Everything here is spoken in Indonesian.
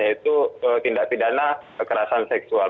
yaitu tindak pidana kekerasan seksual